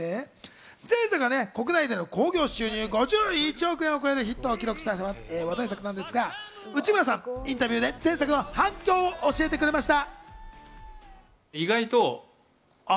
前作は興行収入５１億円を超えるヒットを記録した話題作ですが、内村さん、インタビューで前作の反響を教えてくれました。